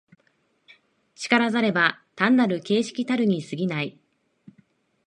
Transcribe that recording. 然らざれば単なる形式たるに過ぎない。